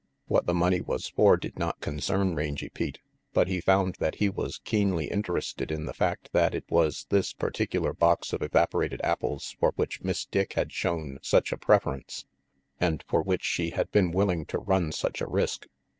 What the money was for did not concern Rangy Pete. But he found that he was keenly interested in the fact that it was this particular box of evaporated apples for which Miss Dick had shown such a pref erence, and for which she had been willing to run such a risk.